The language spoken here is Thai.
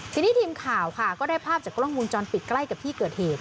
ทีนี้ทีมข่าวค่ะก็ได้ภาพจากกล้องวงจรปิดใกล้กับที่เกิดเหตุ